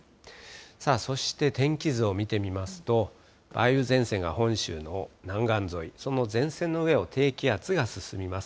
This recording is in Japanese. さあ、そして天気図を見てみますと、梅雨前線が本州の南岸沿い、その前線の上を低気圧が進みます。